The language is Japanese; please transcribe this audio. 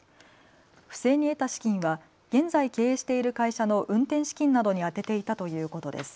不正に得た資金は現在、経営している会社の運転資金などに充てていたということです。